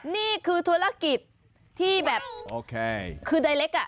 นี่คือธุรกิจที่แบบไทเรคอ่ะ